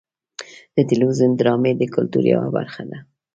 د تلویزیون ډرامې د کلتور یوه برخه ده.